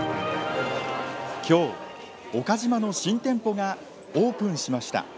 今日岡島の新店舗がオープンしました。